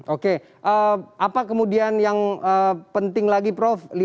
oke apa kemudian yang penting lagi prof